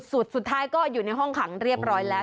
สุดท้ายก็อยู่ในห้องขังเรียบร้อยแล้ว